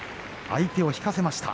相手を引かせました。